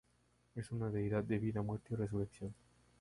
Es una deidad de vida, muerte y resurrección.